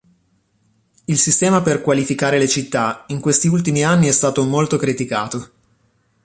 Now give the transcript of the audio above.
Il sistema per qualificare le città in questi ultimi anni è stato molto criticato.